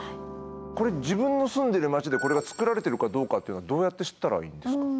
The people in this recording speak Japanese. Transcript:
これ自分の住んでる町でこれが作られてるかどうかっていうのはどうやって知ったらいいんですか？